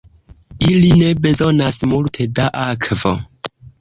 Ili ne bezonas multe da akvo.